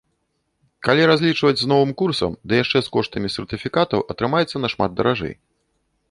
Калі разлічваць з новым курсам, ды яшчэ з коштамі сертыфікатаў, атрымаецца нашмат даражэй.